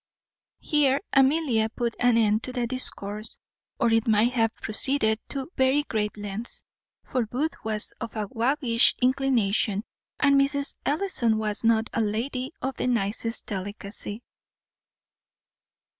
Here Amelia put an end to the discourse, or it might have proceeded to very great lengths; for Booth was of a waggish inclination, and Mrs. Ellison was not a lady of the nicest delicacy.